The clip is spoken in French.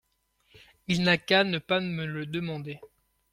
Il n’a qu’à ne pas me le demander.